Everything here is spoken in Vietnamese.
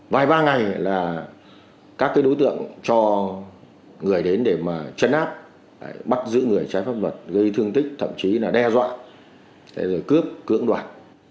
vài ba ngày là các đối tượng cho người đến để mà chấn áp bắt giữ người trái pháp luật gây thương tích thậm chí là đe dọa rồi cướp cưỡng đoạt